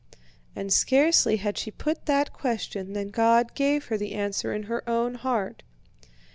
And scarcely had she put that question than God gave her the answer in her own heart.